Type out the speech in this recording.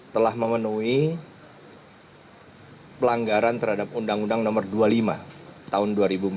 telah memenuhi pelanggaran terhadap undang undang nomor dua puluh lima tahun dua ribu empat belas